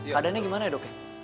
kadannya gimana dok ya